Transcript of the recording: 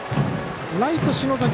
ライト、篠崎